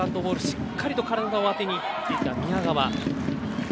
しっかり体を当てにいっていた宮川。